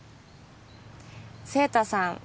晴太さん